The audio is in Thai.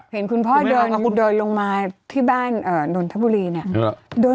เห็นคุณพ่อเดินแล้วคุณเดินลงมาที่บ้านนนทบุรีเนี่ย